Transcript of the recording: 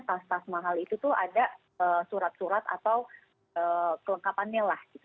tas tas mahal itu tuh ada surat surat atau kelengkapannya lah gitu